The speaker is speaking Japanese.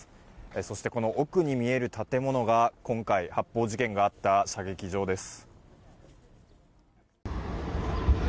そして、奥に見える建物が今回、発砲事件があった射撃場です。